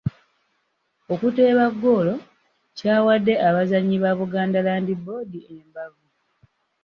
Okuteeba ggoolo kyawadde abazannyi ba Buganda Land Board embavu.